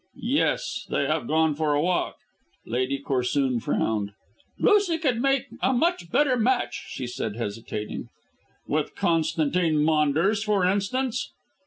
"Yes. They have gone for a walk." Lady Corsoon frowned. "Lucy could make a much better match," she said hesitating. "With Constantine Maunders, for instance."